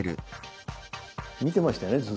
見てましたよね？